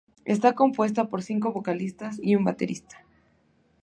Está compuesta por cinco vocalistas y un baterista.